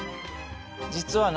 実はな